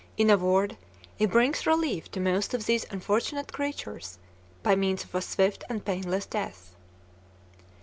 In a word, it brings relief to most of these unfortunate creatures by means of a swift and painless death.